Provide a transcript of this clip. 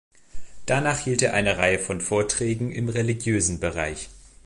Danach hielt er eine Reihe von Vorträgen im religiösen Bereich.